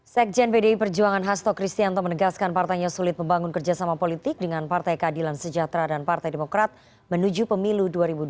sekjen pdi perjuangan hasto kristianto menegaskan partainya sulit membangun kerjasama politik dengan partai keadilan sejahtera dan partai demokrat menuju pemilu dua ribu dua puluh